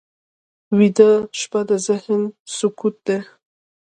ویده شپه د ذهن سکوت دی